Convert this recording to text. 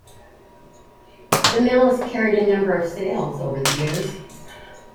The mill has carried a number of sails over the years.